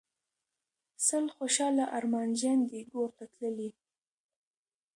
سل خوشحاله ارمانجن دي ګورته تللي